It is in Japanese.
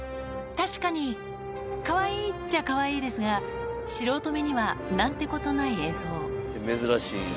確かに、かわいいっちゃかわいいですが、素人目にはなんてことない映像。